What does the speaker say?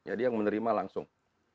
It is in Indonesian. jadi yang menerima langsung